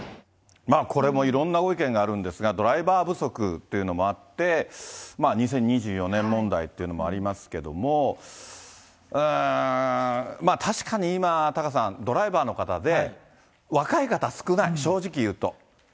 これもいろんなご意見あるんですが、ドライバー不足というのもあって、２０２４年問題というのもありますけど、まあ確かに今、タカさん、ドライバーの方で若い方少ない、正直言うと。